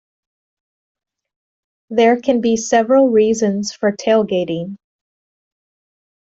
There can be several reasons for tailgating.